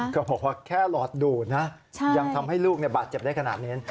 ก็บอกว่าแค่หลอดดูดนะยังทำให้ลูกบาดเจ็บได้ขนาดนี้